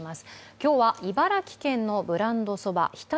今日は茨城県のブランドそば常陸